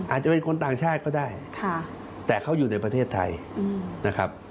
อาจจะเป็นคนต่างชาติก็ได้แต่เขาอยู่ในประเทศไทยนะครับ